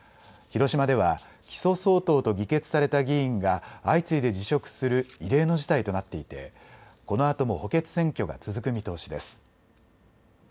広島では起訴相当と議決された議員が相次いで辞職する異例の事態となっていてこのあとも補欠選挙が続く見通しです。